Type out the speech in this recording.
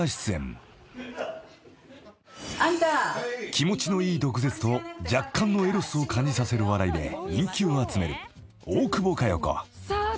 ［気持ちのいい毒舌と若干のエロスを感じさせる笑いで人気を集める大久保佳代子］